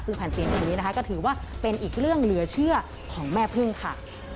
ซึ่งแผ่นเตียงแห่งนี้นะคะก็ถือว่าเป็นอีกเรื่องเหลือเชื่อของแม่พึ่งค่ะ